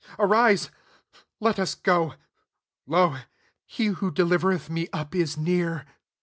46 Arise, let us go: lo ! he who delivereth me up is near."